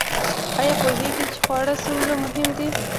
ایا پوهیږئ چې خواړه څومره مهم دي؟